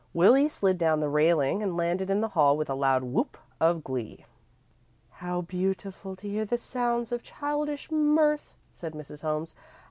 Willie slid down the railing and landed in the hall with a loud whoop of glee. "How beautiful to hear the sounds of childish mirth," said Mrs. Holmes.